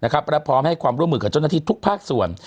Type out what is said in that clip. และพร้อมให้ความร่วมมือกับเจ้าหน้าที่ทุกภาคส่วน